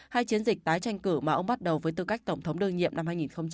hai chiến dịch tái tranh cử mà ông bắt đầu với tư cách tổng thống đương nhiệm năm hai nghìn một mươi